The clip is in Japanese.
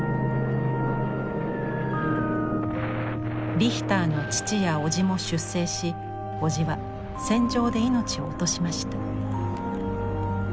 リヒターの父や叔父も出征し叔父は戦場で命を落としました。